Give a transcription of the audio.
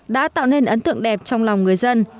đã tạo nên ấn tượng đẹp trong lòng người dân